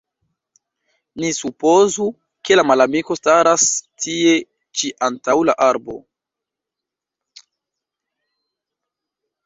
Ni supozu, ke la malamiko staras tie ĉi antaŭ la arbo.